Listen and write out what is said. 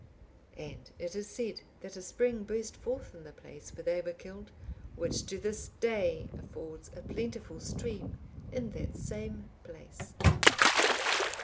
(830) And it is said that a spring burst forth in the place where they were killed, which to this day affords a plentiful stream in that same place.